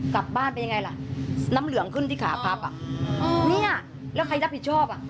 กลับบ้านเป็นยังไงล่ะน้ำเหลืองขึ้นที่ขาพับอ่ะเนี่ยแล้วใครรับผิดชอบอ่ะ